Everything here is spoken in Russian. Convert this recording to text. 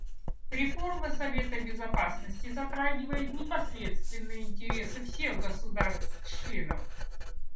Реформа Совета Безопасности затрагивает непосредственные интересы всех государств-членов.